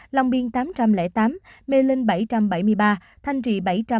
lòng biên tám trăm linh tám mê linh bảy trăm bảy mươi ba thanh trị bảy trăm hai mươi bảy